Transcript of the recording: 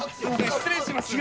失礼します。